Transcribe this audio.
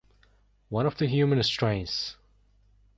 One of the human strains.